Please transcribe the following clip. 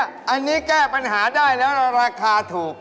อันนี้แก้ปัญหาได้แล้วราคาถูก